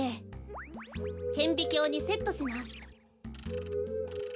けんびきょうにセットします。